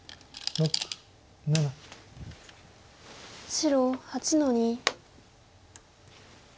白８の二。